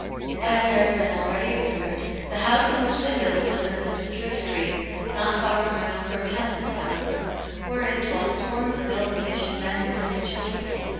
As has been already observed, the house in wliich they lived was in an obscure street, not far from a number of tenement houses, wherein dwelt swarms of ill conditioned men, women, and children.